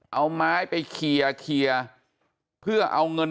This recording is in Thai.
เอาไม้ไปเคลียร์เคลียร์เพื่อเอาเงิน